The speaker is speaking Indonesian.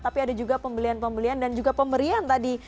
tapi ada juga pembelian pembelian dan juga pemberian tadi